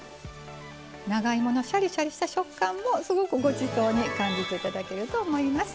長芋のシャリシャリした食感もすごくごちそうに感じていただけると思います。